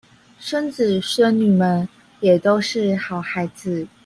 孫子孫女們也都是好孩子